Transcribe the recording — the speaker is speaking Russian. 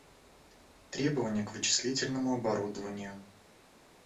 Требования к вычислительному оборудованию